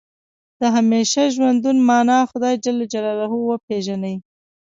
د همیشه ژوندون معنا خدای جل جلاله وپېژني.